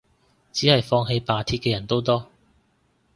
只係放棄罷鐵嘅人都多